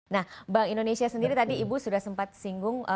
nah bank indonesia sendiri tadi ibu sudah sempat singgung